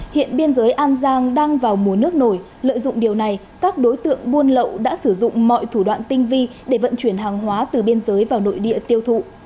hiện biên giới an giang đang vào mùa nước nổi lợi dụng điều này các đối tượng buôn lậu đã sử dụng mọi thủ đoạn tinh vi để vận chuyển hàng hóa từ biên giới vào nội địa tiêu thụ